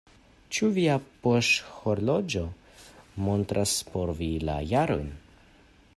"Ĉu via poŝhorloĝo montras por vi la jarojn?"